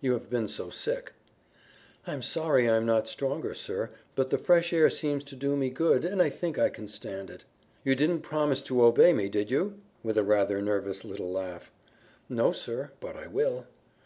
You have been so sick." "I'm sorry I'm not stronger, sir, but the fresh air seems to do me good and I think I can stand it." "You didn't promise to obey me, did you?" with a rather nervous little laugh. "No, sir, but I will."